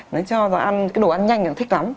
nói cho cái đồ ăn nhanh nó thích lắm